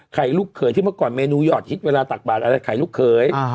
ลูกเขยที่เมื่อก่อนเมนูหยอดฮิตเวลาตักบาดอะไรไข่ลูกเขย